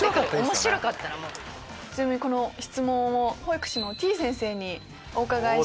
ちなみにこの質問を保育士のてぃ先生にお伺いして。